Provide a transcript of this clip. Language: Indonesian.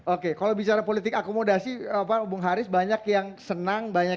oke kalau bicara politik akomodasi bung haris banyak yang senang banyak yang pilih